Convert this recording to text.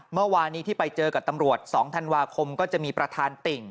เมื่อวานนี้ที่ไปเจอกับตำรวจ๒ธันวาคมก็จะมีประธานติ่ง